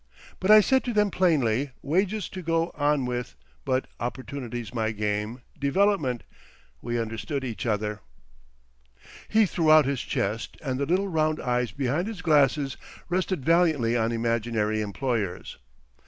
But I said to them plainly, wages to go on with, but opportunity's my game—development. We understood each other." He threw out his chest, and the little round eyes behind his glasses rested valiantly on imaginary employers.